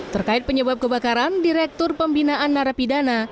terkait penyebab kebakaran direktur pembinaan narapidana